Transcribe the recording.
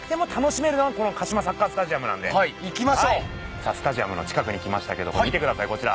さあスタジアムの近くに来ましたけど見てくださいこちら。